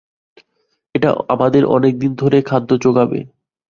এটা আমাদের অনেকদিন ধরে খাদ্য যোগাবে।